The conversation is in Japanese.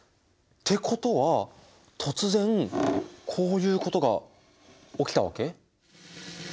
てことは突然こういうことが起きたわけ？